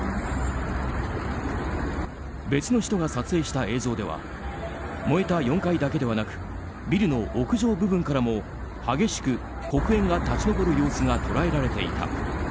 別の人が撮影した映像では燃えた４階だけでなくビルの屋上部分からも激しく黒煙が立ち上る様子が捉えられていた。